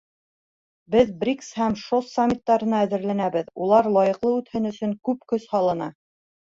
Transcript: Беҙ БРИКС һәм ШОС саммиттарына әҙерләнәбеҙ, улар лайыҡлы үтһен өсөн күп көс һалына.